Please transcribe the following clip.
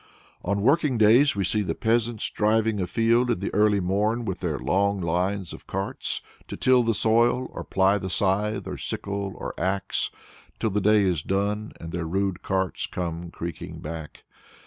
On working days we see the peasants driving afield in the early morn with their long lines of carts, to till the soil, or ply the scythe or sickle or axe, till the day is done and their rude carts come creaking back.